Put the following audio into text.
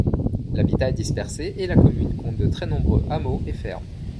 L'habitat est dispersé et la commune compte de très nombreux hameaux et fermes.